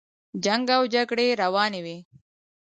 جنګ او جګړې روانې وې.